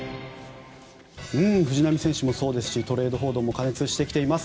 藤浪選手もそうですしトレード報道も過熱してきています。